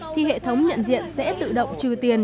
thì hệ thống nhận diện sẽ tự động trừ tiền